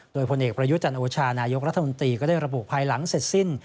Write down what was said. โดยพลเอกประยุจันโอชานายกรัฐมนตรีก็ได้ระบุภายหลังเสร็จสิ้น